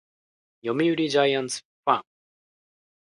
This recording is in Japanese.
読売ジャイアンツファン